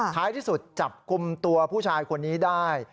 ท้ายที่สุดจับกลุ่มตัวผู้ชายคนนี้ได้